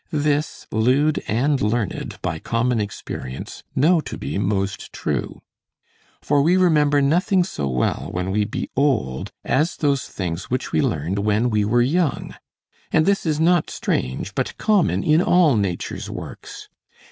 This, lewd and learned, by common experience, know to be most true. For we remember nothing so well when we be old as those things which we learned when we were young. And this is not strange, but common in all nature's works.